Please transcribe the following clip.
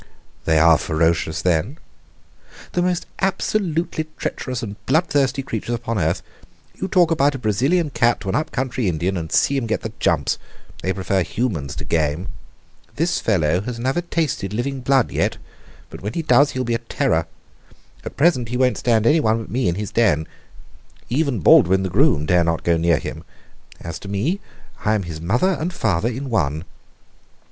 "They are ferocious, then?" "The most absolutely treacherous and bloodthirsty creatures upon earth. You talk about a Brazilian cat to an up country Indian, and see him get the jumps. They prefer humans to game. This fellow has never tasted living blood yet, but when he does he will be a terror. At present he won't stand anyone but me in his den. Even Baldwin, the groom, dare not go near him. As to me, I am his mother and father in one."